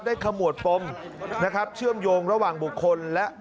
ขมวดปมนะครับเชื่อมโยงระหว่างบุคคลและ